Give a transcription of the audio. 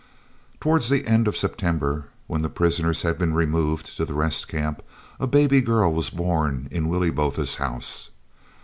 Towards the end of September, when the prisoners had been removed to the Rest Camp, a baby girl was born in Willie Botha's house.